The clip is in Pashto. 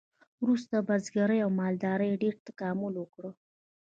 وروسته بزګرۍ او مالدارۍ ډیر تکامل وکړ.